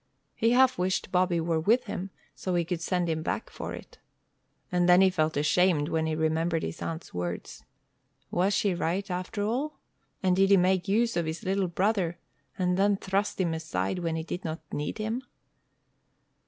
He half wished Bobby were with him, so he could send him back for it. And then he felt ashamed when he remembered his aunt's words. Was she right, after all, and did he make use of his little brother, and then thrust him aside when he did not need him?